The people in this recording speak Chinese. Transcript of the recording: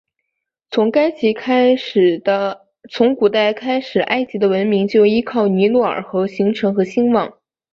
从古代开始埃及的文明就依靠尼罗河而形成和兴旺。